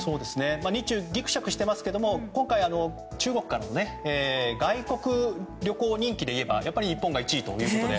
日中はぎくしゃくしていますけど今回、中国からの外国旅行人気でいえば日本が１位ということで。